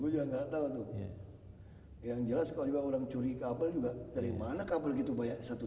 gue juga nggak tahu tuh